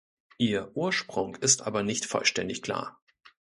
Ihr Ursprung ist aber nicht vollständig klar.